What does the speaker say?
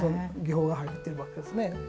技法が入ってるわけですね。